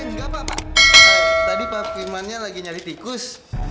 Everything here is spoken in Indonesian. nggak apa apa tadi pak firmannya lagi nyari tikus